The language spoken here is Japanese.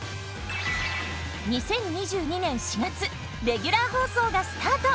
２０２２年４月レギュラー放送がスタート！